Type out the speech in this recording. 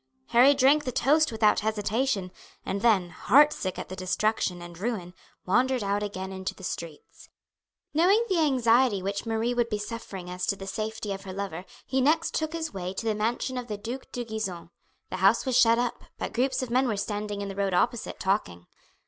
Harry drank the toast without hesitation, and then, heartsick at the destruction and ruin, wandered out again into the streets. Knowing the anxiety which Marie would be suffering as to the safety of her lover he next took his way to the mansion of the Duke de Gisons. The house was shut up, but groups of men were standing in the road opposite talking.